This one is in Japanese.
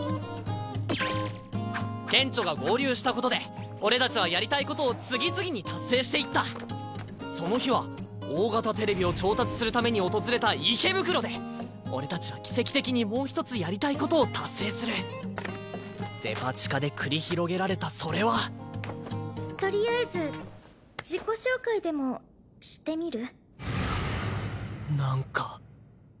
ケンチョが合流したことで俺たちはやりたいことを次々に達成していったその日は大型テレビを調達するために訪れた池袋で俺たちは奇跡的にもう一つやりたいことを達成するデパ地下で繰り広げられたそれはとりあえず自己紹介でもしてみる？